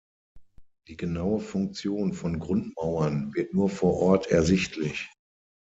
Die genaue Funktion von Grundmauern wird nur vor Ort ersichtlich.